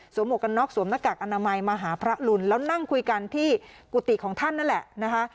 หมวกกันน็อกสวมหน้ากากอนามัยมาหาพระลุนแล้วนั่งคุยกันที่กุฏิของท่านนั่นแหละนะคะ